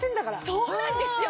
そうなんですよ！